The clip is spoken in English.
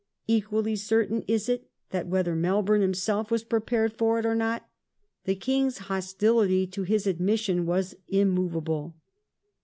Equally certain is it, that whether Melbourne himself was prepared for it or not, the King's hostility to his admission was immovable.